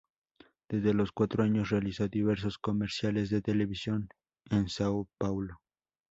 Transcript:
Desde los cuatro años, realizó diversos comerciales de televisión en Sao Paulo.